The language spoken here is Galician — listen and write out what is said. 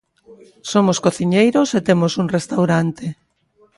Somos cociñeiros e temos un restaurante.